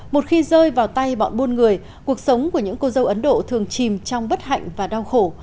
một khi rơi vào tay bọn buôn người cuộc sống của những cô dâu ấn độ thường chìm trong bất hạnh và đau khổ